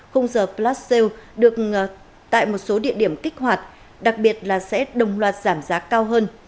khung giờ plat sale được tại một số địa điểm kích hoạt đặc biệt là sẽ đồng loạt giảm giá cao hơn